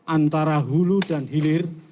antara hulu dan hilir